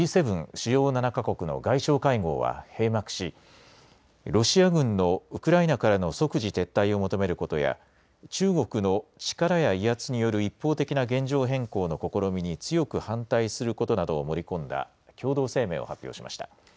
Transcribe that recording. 主要７か国の外相会合は閉幕しロシア軍のウクライナからの即時撤退を求めることや中国の力や威圧による一方的な現状変更の試みに強く反対することなどを盛り込んだ共同声明を発表しました。